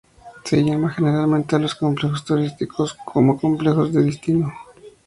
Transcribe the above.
Se llama generalmente a los complejos turísticos como complejos de destino.